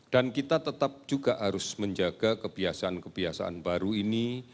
dan kita tetap juga harus menjaga kebiasaan kebiasaan baru ini